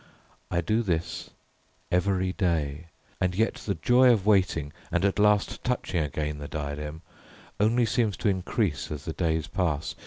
I do this every day, and yet the joy of waiting and at last touching again the diadem, only seems to increase as the days pass.